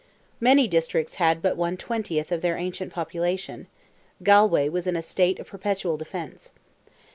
Many districts had but "one twentieth" of their ancient population; Galway was in a state of perpetual defence.